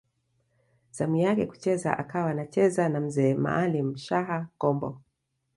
Zamu yake kucheza akawa anacheza na Mzee Maalim Shaha Kombo